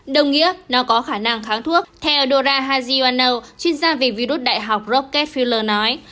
đồng nghĩa nó có khả năng kháng thuốc theo dora haziano chuyên gia về virus đại học rockefeller nói